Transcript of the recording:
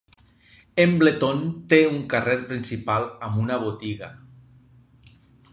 Embleton té un carrer principal amb una botiga.